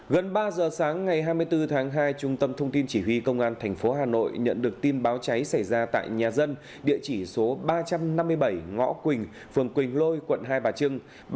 gần ba giờ sáng ngày hai mươi bốn tháng hai trung tâm thông tin chỉ huy công an tp hà nội nhận được tin báo cháy xảy ra tại nhà dân địa chỉ số ba trăm năm mươi bảy ngõ quỳnh phường quỳnh lôi quận hai bà trưng